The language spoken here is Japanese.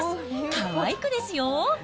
かわいくですよ。